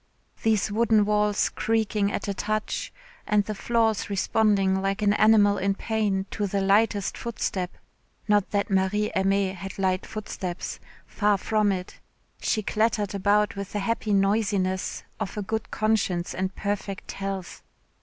These wooden walls creaking at a touch, and the floors responding like an animal in pain to the lightest footstep. Not that Marie Aimée had light footsteps far from it. She clattered about with the happy noisiness of a good conscience and perfect health.